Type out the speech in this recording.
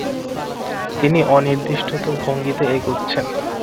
তিনি অনির্দিষ্ট ভঙ্গিতে এগুচ্ছেন।